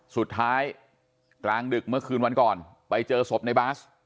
สุดท้ายกลางดึกเมื่อคืนวันก่อนไปเจอศพในบาส